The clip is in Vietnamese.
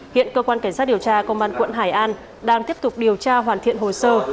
hiện cơ quan cảnh sát điều tra công an quận hải an đang tiếp tục điều tra hoàn thiện hồ sơ